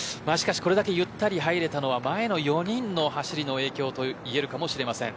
これだけゆったり入れたのは前の４人の走りの影響といえるかもしれません。